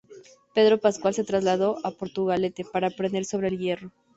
Pedro pascual se trasladó a Portugalete para aprender sobre el hierro.